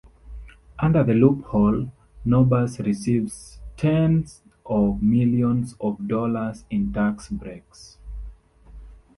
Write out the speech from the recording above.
Under the loophole, Nabors receives tens of millions of dollars in tax breaks.